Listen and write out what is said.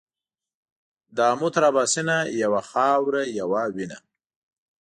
له آمو تر اباسینه یوه خاوره یو وینه